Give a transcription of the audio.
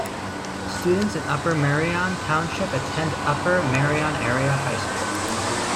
Students in Upper Merion Township attend Upper Merion Area High School.